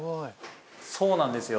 そうなんですよ